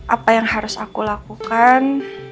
apa yang harus aku lakukan